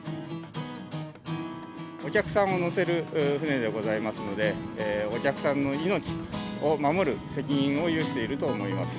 お客さんを乗せる船でございますので、お客さんの命を守る責任を有していると思います。